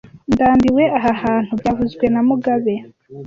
Ndambiwe aha hantu byavuzwe na mugabe